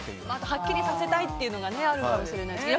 はっきりさせたいというのがあるかもしれないですね。